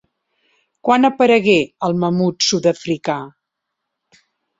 Quan aparegué el mamut sud-africà?